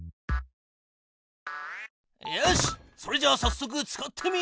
よしっそれじゃあさっそく使ってみよう。